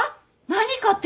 何勝手に。